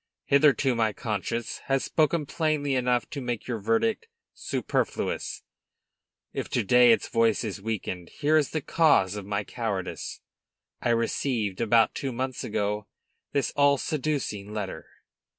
"Hitherto, my conscience has spoken plainly enough to make your verdict superfluous. If to day its voice is weakened, here is the cause of my cowardice. I received, about two months ago, this all seducing letter."